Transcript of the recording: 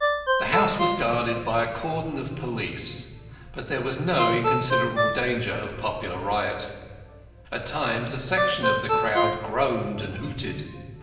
The house was guarded by a cordon of police, for there was no inconsiderable danger of a popular riot. At times a section of the crowd groaned and hooted.